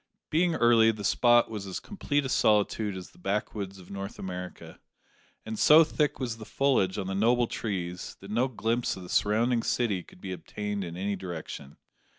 Being early, the spot was as complete a solitude as the backwoods of North America, and so thick was the foliage on the noble trees, that no glimpse of the surrounding city could be obtained in any direction.